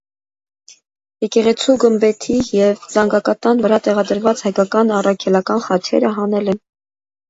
Եկեղեցու գմբեթի և զանգակատան վրա տեղադրված հայկական առաքելական խաչերը հանել են։